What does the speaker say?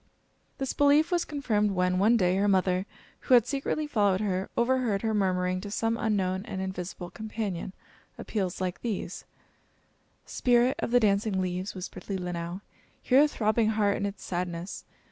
This belief was confirmed when, one day, her mother, who had secretly followed her, overheard her murmuring to some unknown and invisible companion, appeals like these: "Spirit of the dancing leaves!" whispered Leelinau, "hear a throbbing heart in its sadness.